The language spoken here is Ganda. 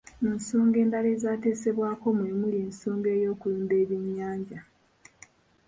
Mu nsonga endala ezaateesebbwako mwe muli ensonga ey'okulunda eby'enyanja.